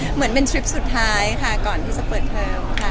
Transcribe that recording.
เหมือนเป็นทริปสุดท้ายค่ะก่อนที่จะเปิดเทอมค่ะ